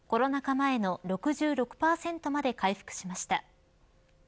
前の６６％まで回復しました。